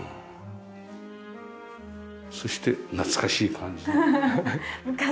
そして懐かしい感じの。